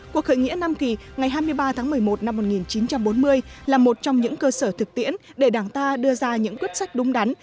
cuộc khởi nghĩa nam kỳ ngày hai mươi ba tháng một mươi một năm một nghìn chín trăm bốn mươi là một trong những cơ sở thực tiễn để đảng ta đưa ra những quyết sách đúng đắn